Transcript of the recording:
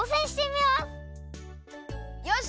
よし！